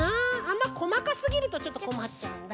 あんまこまかすぎるとちょっとこまっちゃうんだ。